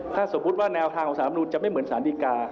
ถ้าสมมติว่าแนวทางของสามนูรุ่นจะไม่เหมือนสรรคาให้รอด